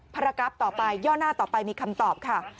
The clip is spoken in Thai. ภารกราฟต่อไปย่อหน้าต่อไปมีคำตอบค่ะ